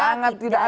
sangat tidak ada